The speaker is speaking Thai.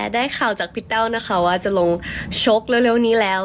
ได้ข่าวจากพี่แต้วนะคะว่าจะลงชกเร็วนี้แล้ว